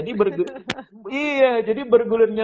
nah jadi bergulirnya